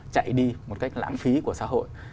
chạy đi một cách lãng phí của xã hội